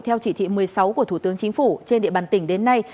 theo chỉ thị một mươi sáu của thủ tướng chính phủ trên địa bàn tỉnh đến nay